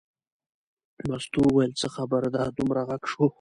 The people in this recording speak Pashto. مستو وویل څه خبره ده دومره غږ شو.